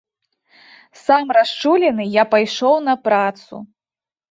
Сам расчулены я пайшоў на працу.